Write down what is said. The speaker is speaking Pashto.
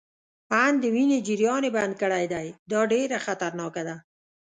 آن د وینې جریان يې بند کړی دی، دا ډیره خطرناکه ده.